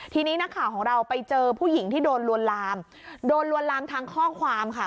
ทีนี้นักข่าวของเราไปเจอผู้หญิงที่โดนลวนลามโดนลวนลามทางข้อความค่ะ